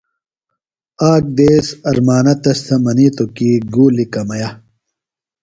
آک دیس ارمانہ تس تھےۡ منِیتوۡ کی گُولیۡ کمیہ۔